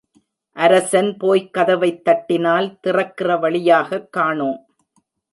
அரசன் போய்க் கதவைத் தட்டினால் திறக்கிற வழியாகக் காணோம்.